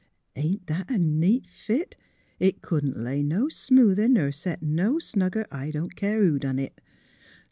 Ain't that a neat fit? It couldn't lay no smoother ner set no snugger, I don't care who done it!